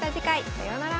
さようなら。